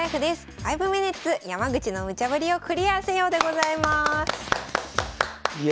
「５ｍｉｎｕｔｅｓ山口のムチャぶりをクリアせよ」でございます。